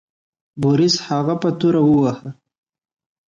بوریس هغه په توره وواهه.